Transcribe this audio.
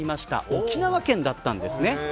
沖縄県だったんです。